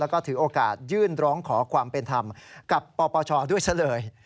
แล้วก็ถือโอกาสยื่นร้องขอความเป็นธรรมกับปปชด้วยซะเลย